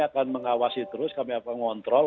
akan mengawasi terus kami akan ngontrol